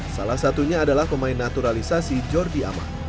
salah satunya adalah pemain naturalisasi jordi aman